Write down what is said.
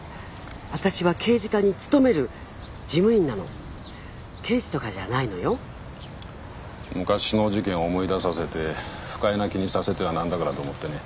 私は刑事課に勤める事務員なの刑事とかじゃないのよ昔の事件を思い出させて不快な気にさせてはなんだからと思ってね